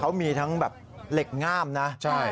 เขามีทั้งแบบเหล็กง่ามนะ